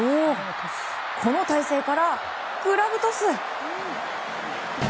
この体勢からグラブトス！